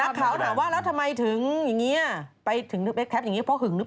นักข่าวถามว่าทำไมถึงไปแคปอย่างงี้